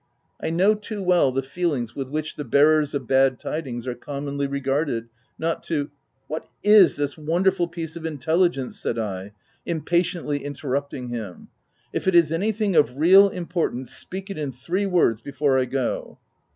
I know too well the feelings with which the bearers of bad tidings are com monly regarded, not to —" "What is this wonderful piece of intelli gence V* said I, impatiently interrupting him. " If it is anything of real importance, speak it in three words before I go."